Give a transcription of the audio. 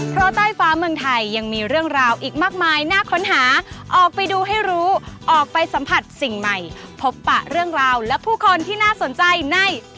เพราะใต้ฟ้าเมืองไทยยังมีเรื่องราวอีกมากมายน่าค้นหาออกไปดูให้รู้ออกไปสัมผัสสิ่งใหม่พบปะเรื่องราวและผู้คนที่น่าสนใจใน